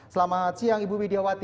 selamat siang ibu widiawati